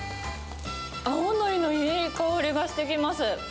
青のりのいい香りがしてきます。